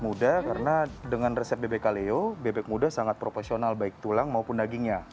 muda karena dengan resep bebek kaleo bebek muda sangat profesional baik tulang maupun dagingnya